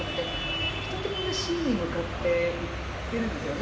人ってみんな死に向かっていってるんですよね。